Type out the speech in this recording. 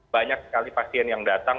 banyak sekali pasien yang datang